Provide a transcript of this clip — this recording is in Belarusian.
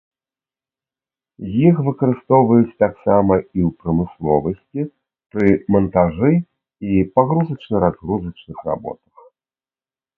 Іх выкарыстоўваюць таксама і ў прамысловасці пры мантажы і пагрузачна-разгрузачных работах.